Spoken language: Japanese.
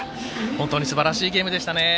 本当にすばらしいゲームでしたね。